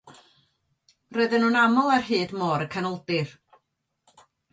Roedden nhw'n aml ar hyd Môr y Canoldir.